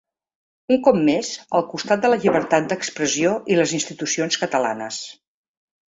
Un cop més, al costat de la llibertat d'expressió i les institucions catalanes.